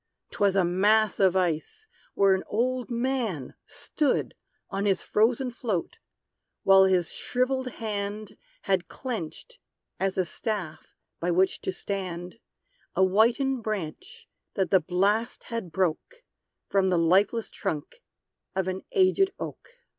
'Twas a mass of ice, where an old man stood On his frozen float; while his shrivelled hand Had clenched, as a staff by which to stand, A whitened branch that the blast had broke From the lifeless trunk of an aged oak.